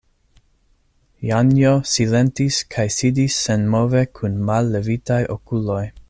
Janjo silentis kaj sidis senmove kun mallevitaj okuloj.